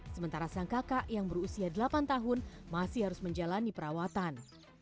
sementara sang kakak yang berusia delapan tahun masih harus menjalani perawatan